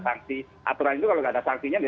sangsi aturan itu kalau tidak ada sangsinya